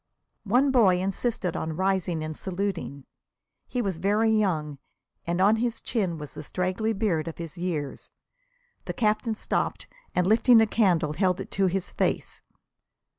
One boy insisted on rising and saluting. He was very young, and on his chin was the straggly beard of his years. The Captain stooped, and lifting a candle held it to his face.